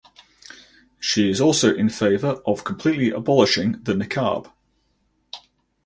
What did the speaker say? She is also in favor of completely abolishing the niqab.